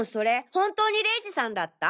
本当に玲二さんだった？